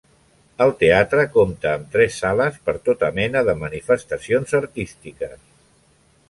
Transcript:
El teatre compta amb tres sales per tota mena de manifestacions artístiques.